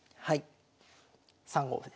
はい。